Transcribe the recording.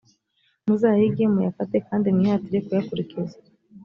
muzayige muyafate, kandi mwihatire kuyakurikiza.